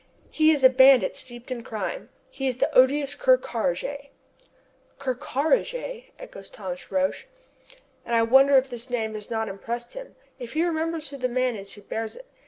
He is a bandit steeped in crime he is the odious Ker Karraje!" "Ker Karraje!" echoes Thomas Roch. And I wonder if this name has not impressed him, if he remembers who the man is who bears it.